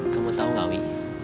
kamu tahu gak wi